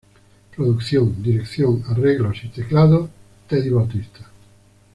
Producción, dirección, arreglos y teclados: Teddy Bautista.